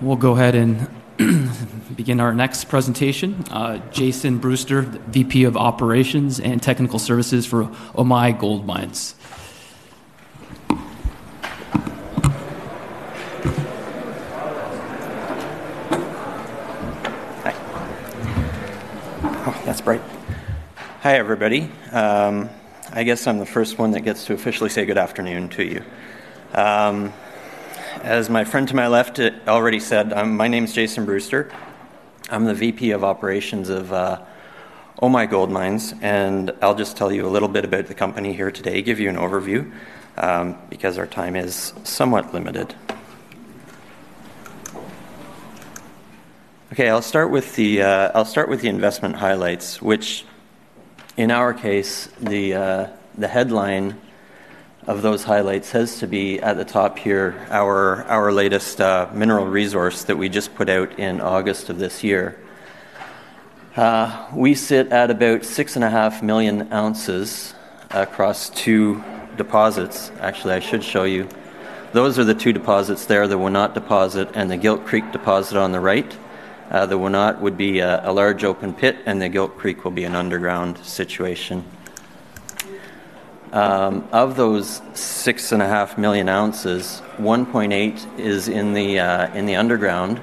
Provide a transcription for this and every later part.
We'll go ahead and begin our next presentation. Jason Brewster, VP of Operations and Technical Services for Omai Gold Mines. Hi. Oh, that's bright. Hi, everybody. I guess I'm the first one that gets to officially say good afternoon to you. As my friend to my left already said, my name is Jason Brewster. I'm the VP of Operations of Omai Gold Mines, and I'll just tell you a little bit about the company here today, give you an overview, because our time is somewhat limited. Okay, I'll start with the investment highlights, which, in our case, the headline of those highlights has to be at the top here, our latest mineral resource that we just put out in August of this year. We sit at about 6.5 million oz across two deposits. Actually, I should show you. Those are the two deposits there, the Wenot deposit and the Gilt Creek deposit on the right. The Wenot would be a large open pit, and the Gilt Creek will be an underground situation. Of those 6.5 million oz, 1.8 million oz is in the underground,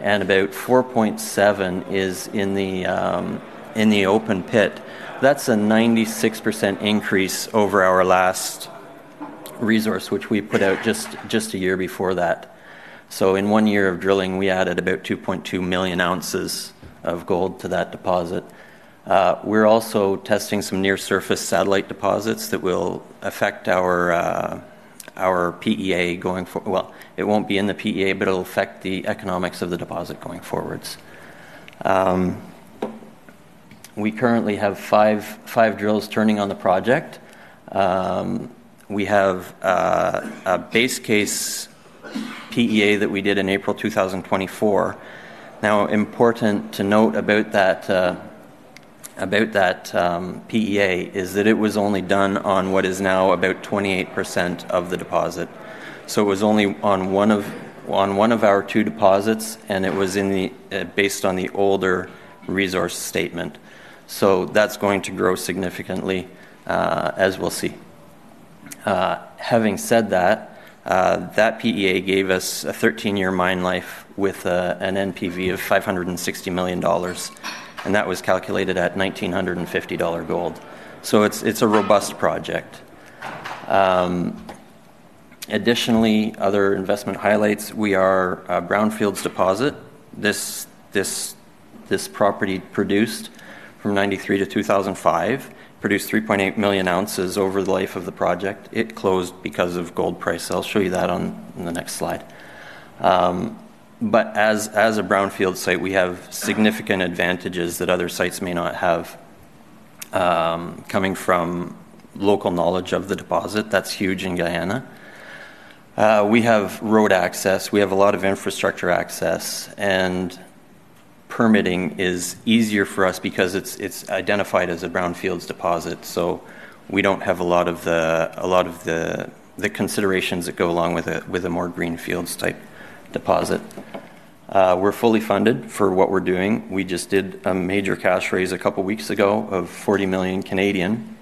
and about 4.7 million oz is in the open pit. That's a 96% increase over our last resource, which we put out just a year before that. In one year of drilling, we added about 2.2 million oz of gold to that deposit. We're also testing some near-surface satellite deposits that will affect our PEA going for—it won't be in the PEA, but it'll affect the economics of the deposit going forwards. We currently have five drills turning on the project. We have a base case PEA that we did in April 2024. Now, important to note about that PEA is that it was only done on what is now about 28% of the deposit. It was only on one of our two deposits, and it was based on the older resource statement. That is going to grow significantly, as we will see. Having said that, that PEA gave us a 13-year mine life with an NPV of 560 million dollars, and that was calculated at 1,950 dollar gold. It is a robust project. Additionally, other investment highlights: we are a Brownfields deposit. This property produced from 1993 to 2005, produced 3.8 million oz over the life of the project. It closed because of gold price. I will show you that on the next slide. As a Brownfield site, we have significant advantages that other sites may not have, coming from local knowledge of the deposit. That is huge in Guyana. We have road access. We have a lot of infrastructure access, and permitting is easier for us because it is identified as a Brownfields deposit. We don't have a lot of the considerations that go along with a more greenfields-type deposit. We're fully funded for what we're doing. We just did a major cash raise a couple of weeks ago of 40 million,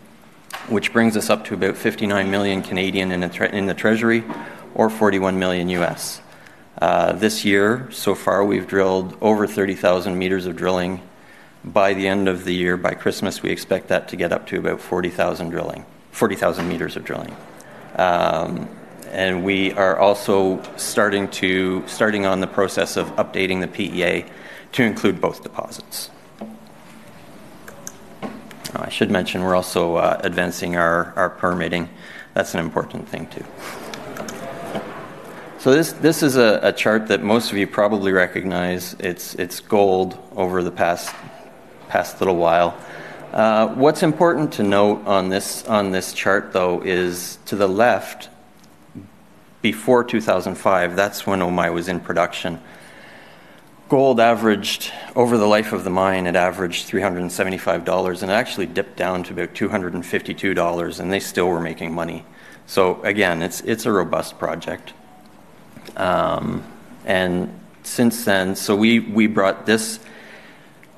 which brings us up to about 59 million in the Treasury or $41 million. This year, so far, we've drilled over 30,000 m of drilling. By the end of the year, by Christmas, we expect that to get up to about 40,000 m of drilling. We are also starting on the process of updating the PEA to include both deposits. I should mention we're also advancing our permitting. That's an important thing too. This is a chart that most of you probably recognize. It's gold over the past little while. What's important to note on this chart, though, is to the left, before 2005, that's when Omai was in production. Gold averaged over the life of the mine, it averaged 375 dollars, and it actually dipped down to about 252 dollars, and they still were making money. Again, it's a robust project. Since then, we brought this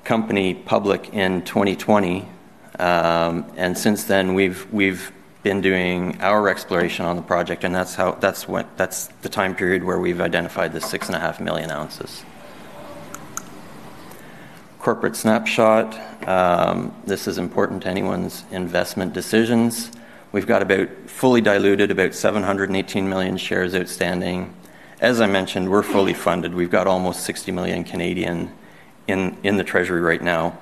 company public in 2020, and since then, we've been doing our exploration on the project, and that's the time period where we've identified the 6.5 million oz. Corporate snapshot. This is important to anyone's investment decisions. We've got about, fully diluted, about 718 million shares outstanding. As I mentioned, we're fully funded. We've got almost 60 million in the Treasury right now,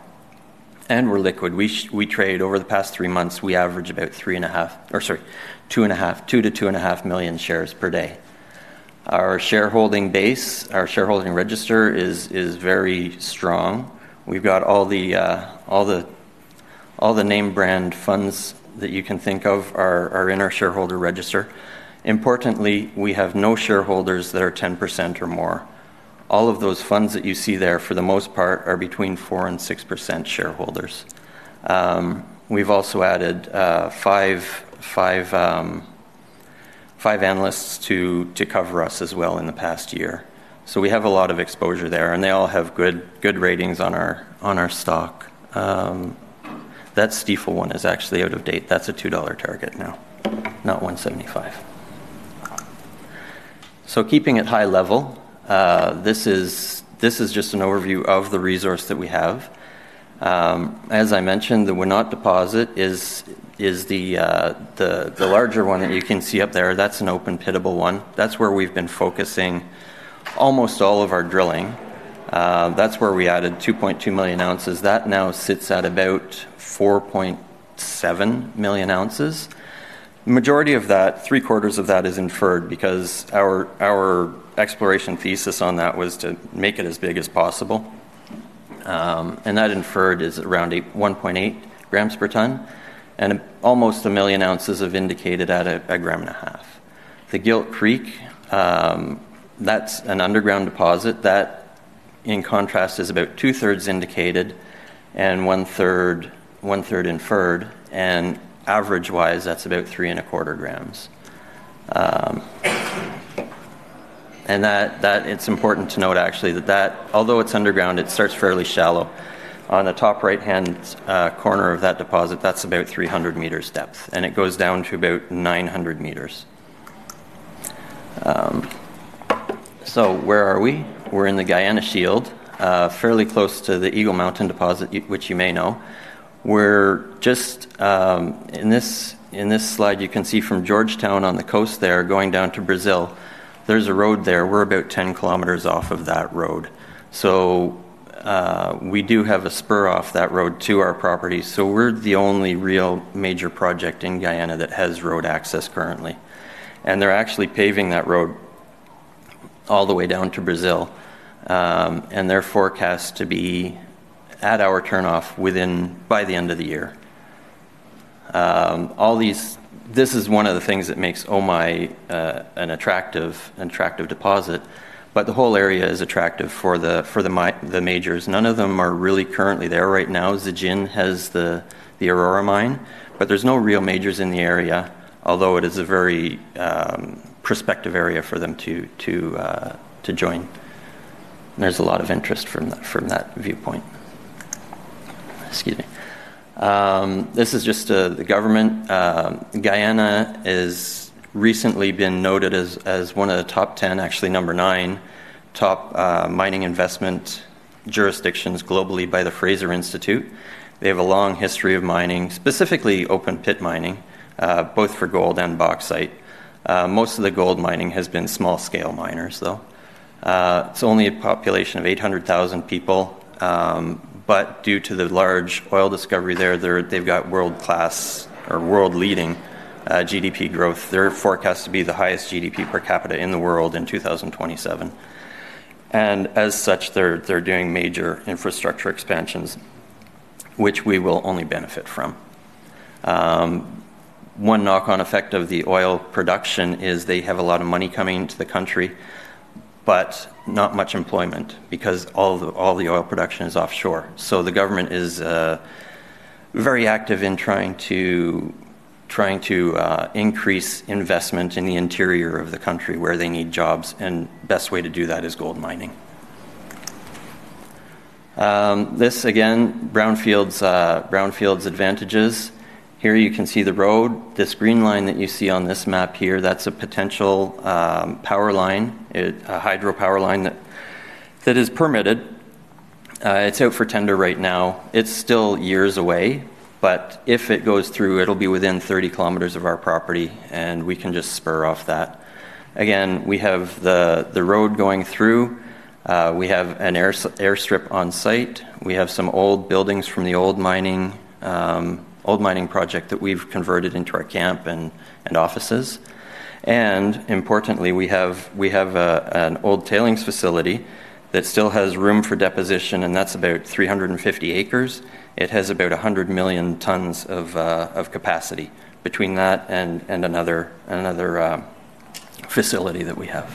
and we're liquid. We trade over the past three months. We average about 2 million-2.5 million shares per day. Our shareholding base, our shareholding register is very strong. We've got all the name brand funds that you can think of are in our shareholder register. Importantly, we have no shareholders that are 10% or more. All of those funds that you see there, for the most part, are between 4%-6% shareholders. We've also added five analysts to cover us as well in the past year. We have a lot of exposure there, and they all have good ratings on our stock. That steeple one is actually out of date. That's a $2 target now, not $1.75. Keeping it high level, this is just an overview of the resource that we have. As I mentioned, the Wenot deposit is the larger one that you can see up there. That's an open pittable one. That's where we've been focusing almost all of our drilling. That's where we added 2.2 million oz. That now sits at about 4.7 million oz. Majority of that, three quarters of that, is inferred because our exploration thesis on that was to make it as big as possible. And that inferred is around 1.8 g per ton and almost 1 million oz of indicated at 1.5 g. The Gilt Creek, that's an underground deposit that, in contrast, is about 2/3 indicated and 1/3 inferred. And average wise, that's about 3.25 g. And it's important to note, actually, that that, although it's underground, it starts fairly shallow. On the top right hand corner of that deposit, that's about 300 m depth, and it goes down to about 900 m. Where are we? We're in the Guyana Shield, fairly close to the Eagle Mountain deposit, which you may know. In this slide, you can see from Georgetown on the coast there going down to Brazil. There's a road there. We're about 10 kilometers off of that road. We do have a spur off that road to our property. We're the only real major project in Guyana that has road access currently. They're actually paving that road all the way down to Brazil, and they're forecast to be at our turn off by the end of the year. This is one of the things that makes Omai an attractive deposit, but the whole area is attractive for the majors. None of them are really currently there right now. Zijin has the Aurora mine, but there's no real majors in the area, although it is a very prospective area for them to join. There's a lot of interest from that viewpoint. Excuse me. This is just the government. Guyana has recently been noted as one of the top 10, actually number nine, top mining investment jurisdictions globally by the Fraser Institute. They have a long history of mining, specifically open pit mining, both for gold and bauxite. Most of the gold mining has been small scale miners, though. It's only a population of 800,000 people, but due to the large oil discovery there, they've got world class or world leading GDP growth. They're forecast to be the highest GDP per capita in the world in 2027. As such, they're doing major infrastructure expansions, which we will only benefit from. One knock-on effect of the oil production is they have a lot of money coming into the country, but not much employment because all the oil production is offshore. The government is very active in trying to increase investment in the interior of the country where they need jobs, and the best way to do that is gold mining. This, again, Brownfields advantages. Here you can see the road. This green line that you see on this map here, that is a potential power line, a hydro power line that is permitted. It is out for tender right now. It is still years away, but if it goes through, it will be within 30 km of our property, and we can just spur off that. Again, we have the road going through. We have an airstrip on-site. We have some old buildings from the old mining project that we've converted into our camp and offices. Importantly, we have an old tailings facility that still has room for deposition, and that's about 350 acres. It has about 100 million tons of capacity between that and another facility that we have.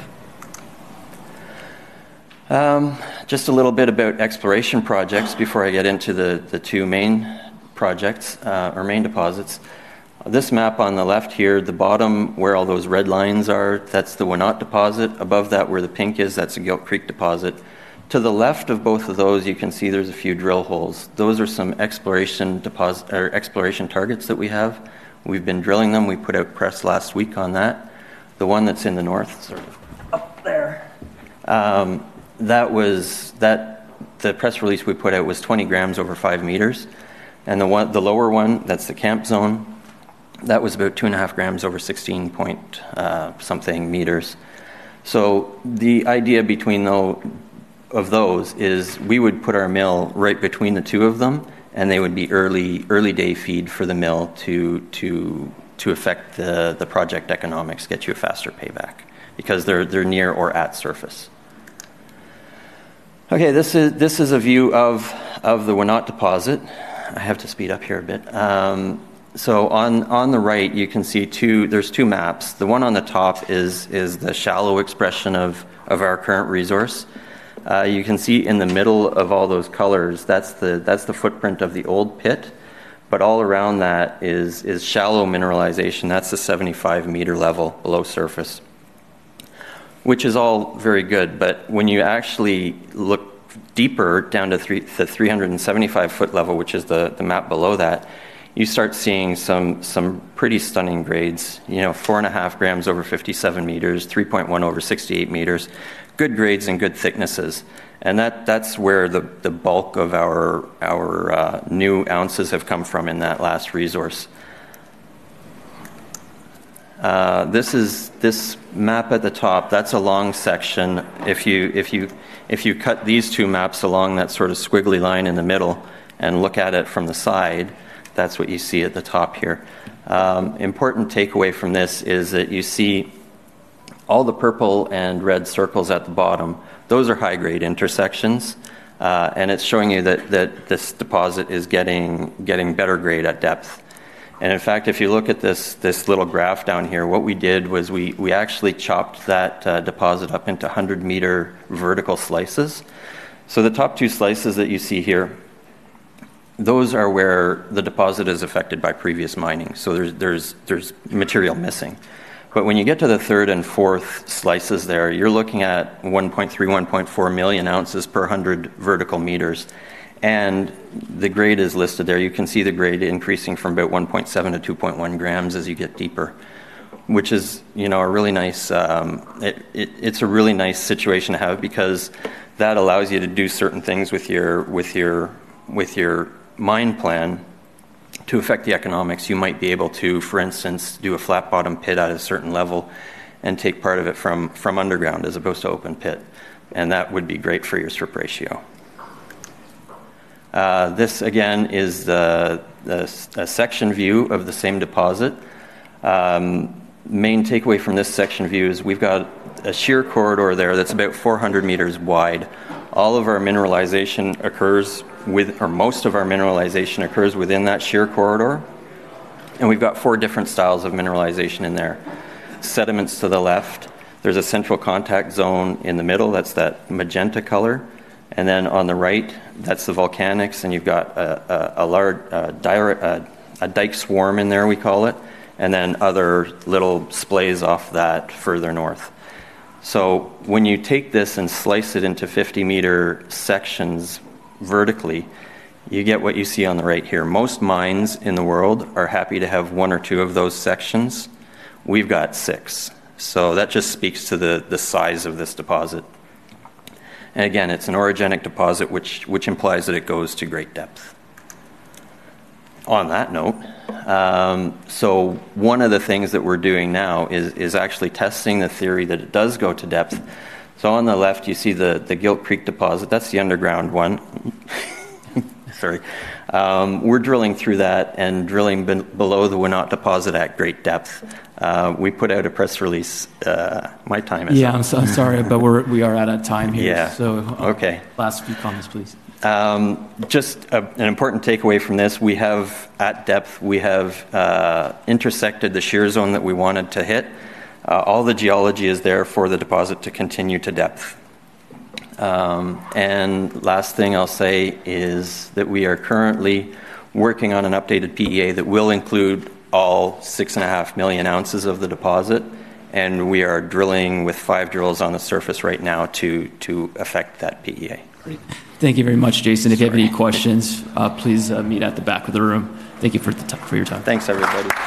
Just a little bit about exploration projects before I get into the two main projects or main deposits. This map on the left here, the bottom where all those red lines are, that's the Wenot deposit. Above that, where the pink is, that's the Gilt Creek deposit. To the left of both of those, you can see there's a few drill holes. Those are some exploration targets that we have. We've been drilling them. We put out press last week on that. The one that's in the north, [sorry, up there], that press release we put out was 20 g over 5 m. And the lower one, that's the camp zone, that was about 2.5 g over 16 point something meters. So, the idea between those is we would put our mill right between the two of them, and they would be early day feed for the mill to affect the project economics, get you a faster payback because they're near or at surface. Okay, this is a view of the Wenot deposit. I have to speed up here a bit. On the right, you can see there are two maps. The one on the top is the shallow expression of our current resource. You can see in the middle of all those colors, that's the footprint of the old pit, but all around that is shallow mineralization. That's the 75 m level below surface, which is all very good. When you actually look deeper down to the 375 ft level, which is the map below that, you start seeing some pretty stunning grades, you know, 4.5 g over 57 m, 3.1 g over 68 m, good grades and good thicknesses. That's where the bulk of our new ounces have come from in that last resource. This map at the top, that's a long section. If you cut these two maps along that sort of squiggly line in the middle and look at it from the side, that's what you see at the top here. Important takeaway from this is that you see all the purple and red circles at the bottom. Those are high grade intersections, and it's showing you that this deposit is getting better grade at depth. In fact, if you look at this little graph down here, what we did was we actually chopped that deposit up into 100 m vertical slices. The top two slices that you see here, those are where the deposit is affected by previous mining. There is material missing. When you get to the third and fourth slices there, you're looking at 1.3 million oz-1.4 million oz per 100 vertical meters. The grade is listed there. You can see the grade increasing from about 1.7 g-2.1 g as you get deeper, which is, you know, a really nice situation to have because that allows you to do certain things with your mine plan to affect the economics. You might be able to, for instance, do a flat bottom pit at a certain level and take part of it from underground as opposed to open pit. That would be great for your strip ratio. This, again, is a section view of the same deposit. Main takeaway from this section view is we have a shear corridor there that is about 400 m wide. All of our mineralization occurs with, or most of our mineralization occurs within that shear corridor. We have four different styles of mineralization in there. Sediments to the left. There is a central contact zone in the middle. That is that magenta color. On the right, that is the volcanics. You have a dike swarm in there, we call it, and then other little splays off that further north. When you take this and slice it into 50 m sections vertically, you get what you see on the right here. Most mines in the world are happy to have one or two of those sections. We have six. That just speaks to the size of this deposit. Again, it's an orogenic deposit, which implies that it goes to great depth. On that note, one of the things that we're doing now is actually testing the theory that it does go to depth. On the left, you see the Gilt Creek deposit. That's the underground one. Sorry. We're drilling through that and drilling below the Wenot deposit at great depth. We put out a press release. My time is up. Yeah, I'm sorry, but we are out of time here. Last few comments, please. Just an important takeaway from this. At depth, we have intersected the shear zone that we wanted to hit. All the geology is there for the deposit to continue to depth. Last thing I'll say is that we are currently working on an updated PEA that will include all 6.5 million oz of the deposit. We are drilling with five drills on the surface right now to affect that PEA. Great. Thank you very much, Jason. If you have any questions, please meet at the back of the room. Thank you for your time. Thanks, everybody.